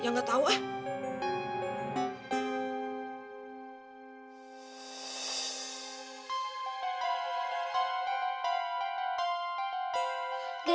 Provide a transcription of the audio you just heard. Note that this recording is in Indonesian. ya gak tau ah